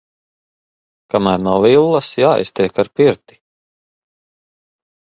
Kamēr nav villas, jāiztiek ar pirti.